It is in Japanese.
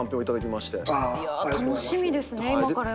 いや楽しみですね